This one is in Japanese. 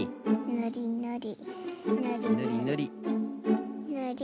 ぬりぬり。